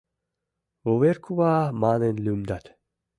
Вуверкува манын лӱмдат.